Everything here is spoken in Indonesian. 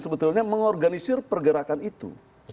sebetulnya mengorganisir pergerakan itu